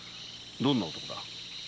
どんな男だ？